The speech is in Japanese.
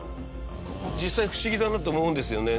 実際不思議だなと思うんですよね。